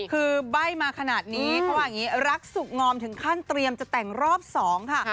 คือใบ้มาขนาดนี้เขาว่าอย่างนี้รักสุขงอมถึงขั้นเตรียมจะแต่งรอบ๒ค่ะ